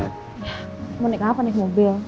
ya mau naik apa nih mobil